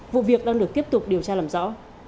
vụ việc đang được tiếp tục điều tra làm rõ